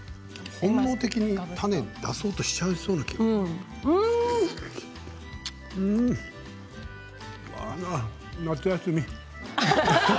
本能的に種を出そうとしちゃいそうあらあら夏休み。